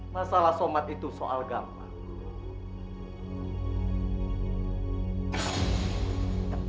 masalah somad itu soal gampang